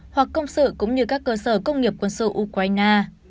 hoặc công sự cũng như các cơ sở công nghiệp quân sự ukraine